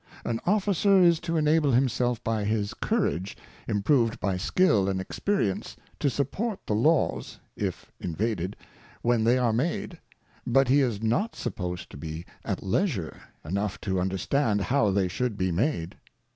An Officer is to enable himself by his Courage, improved by Skill and Experience^ to support the Laws (if Invaded) when they are made ; but he is not supposed to be at leisure enough to understand how they should be made.